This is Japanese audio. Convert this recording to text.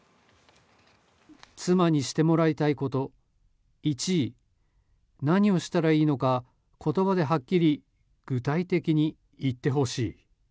妻にしてもらいたいこと１位、何をしたらいいのか言葉ではっきり具体的に言ってほしい。